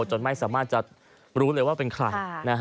จนไม่สามารถจะรู้เลยว่าเป็นใคร